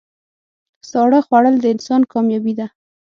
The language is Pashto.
ساړه خوړل د انسان کامیابي ده.